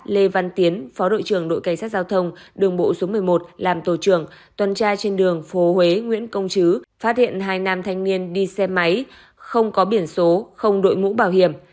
lê văn tiến phó đội trưởng đội cảnh sát giao thông đường bộ số một mươi một làm tổ trưởng tuần tra trên đường phố huế nguyễn công chứ phát hiện hai nam thanh niên đi xe máy không có biển số không đội mũ bảo hiểm